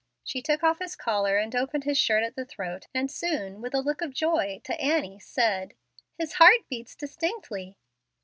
She took off his collar and opened his shirt at the throat, and soon, with a look of joy, to Annie, said, "His heart beats distinctly."